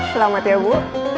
selamat ya bu